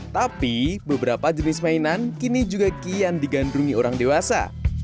tapi beberapa jenis mainan kini juga kian digandrungi orang dewasa